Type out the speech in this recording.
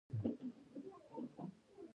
د نړۍ او ځان پېژندلو موجودې لارې وڅېړو.